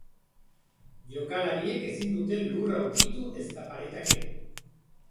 Jokalariek ezin dute lurra ukitu ezta paretak ere.